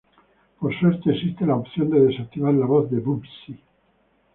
Por suerte, existe la opción de desactivar la voz de Bubsy.